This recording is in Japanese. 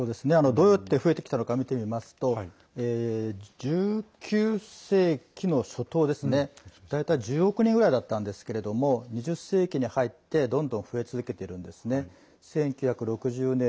どうやって増えてきたのか見てみますと１９世紀の初頭ですね大体１０億人ぐらいだったんですけれども２０世紀に入ってどんどん増え続けてるんですね。